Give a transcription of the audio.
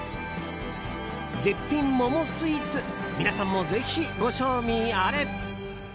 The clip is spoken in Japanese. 絶品桃スイーツ皆さんもぜひ、ご賞味あれ。